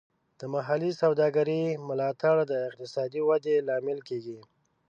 د محلي سوداګرۍ ملاتړ د اقتصادي ودې لامل کیږي.